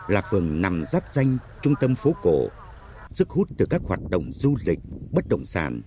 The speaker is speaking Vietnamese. là phường nằm dắp danh trung tâm phố cổ sức hút từ các hoạt động du lịch bất động sản như cơn lốc